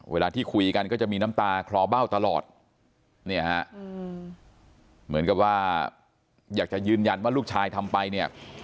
เวลาที่คุยกันก็จะมีน้ำตาคลอเบ้าตลอดเนี่ยฮะเหมือนกับว่าอยากจะยืนยันว่าลูกชายทำไปเนี่ย